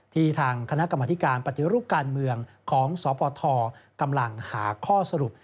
ทางคณะกรรมธิการปฏิรูปการเมืองของสปทกำลังหาข้อสรุป